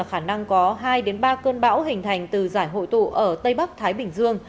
khả năng có hai ba cơn bão hình thành từ giải hội tụ ở tây bắc thái bình dương